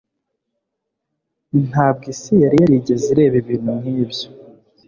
Ntabwo isi yari yarigeze ireba ibintu nk'ibyo.